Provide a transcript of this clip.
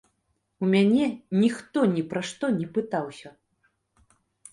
У мяне ніхто ні пра што не пытаўся.